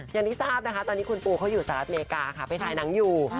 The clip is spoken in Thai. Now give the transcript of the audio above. อย่างที่ทราบนะคะตอนนี้คุณปูเขาอยู่สหรัฐอเมริกาค่ะไปถ่ายหนังอยู่